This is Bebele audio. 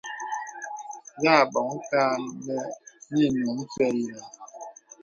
Yà bɔ̀ŋ kà nə inuŋ pɛ̂ yìnə̀.